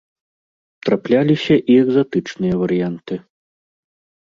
Трапляліся і экзатычныя варыянты.